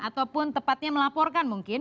ataupun tepatnya melaporkan mungkin